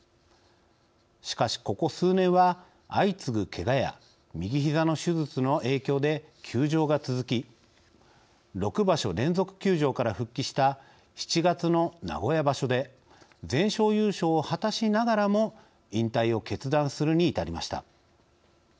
しかし、ここ数年は相次ぐけがや右ひざの手術の影響で休場が続き６場所連続休場から復帰した７月の名古屋場所で全勝優勝を果たしながらも引退を決断するに至りました。